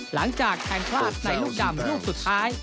หลังจากแทนพลาดในลูกกรรมรูปสุดท้าย